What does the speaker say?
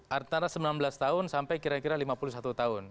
antara sembilan belas tahun sampai kira kira lima puluh satu tahun